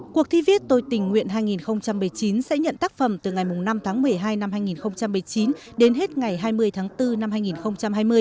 cuộc thi viết tôi tình nguyện hai nghìn một mươi chín sẽ nhận tác phẩm từ ngày năm tháng một mươi hai năm hai nghìn một mươi chín đến hết ngày hai mươi tháng bốn năm hai nghìn hai mươi